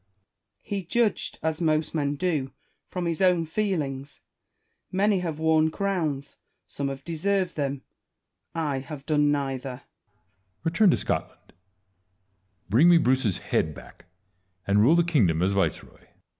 He judged, as most men do, from his own feel ings. Many have worn crowns ; some have deserved them : I have done neither. Edward. Return to Scotland ; bring me Bruce's head back ; and rule the kingdom as viceroy.